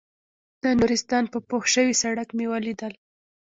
د نورستان په پوخ شوي سړک مې وليدل.